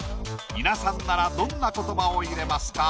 皆さんならどんな言葉を入れますか？